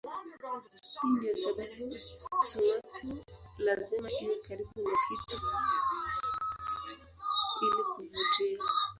Hii ndiyo sababu sumaku lazima iwe karibu na kitu ili kuvutia.